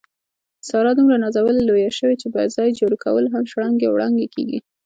ساره دومره نازولې لویه شوې، چې په ځای جارو کولو هم شړانګې وړانګې کېږي.